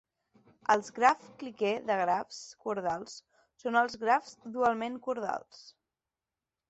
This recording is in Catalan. Els grafs clique de grafs cordals són els grafs dualment cordals.